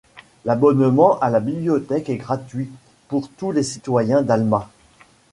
L'abonnement à la bibliothèque est gratuit pour tous les citoyens d'Alma.